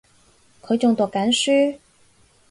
佢仲讀緊書